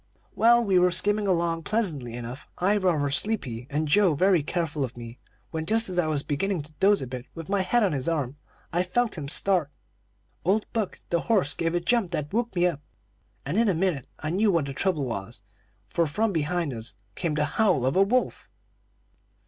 "Well, we were skimming along pleasantly enough, I rather sleepy, and Joe very careful of me, when, just as I was beginning to doze a bit with my head on his arm I felt him start. Old Buck, the horse, gave a jump that woke me up, and in a minute I knew what the trouble was, for from behind us came the howl of a wolf.